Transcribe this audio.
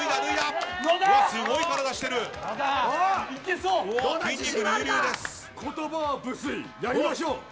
言葉は無粋、やりましょう！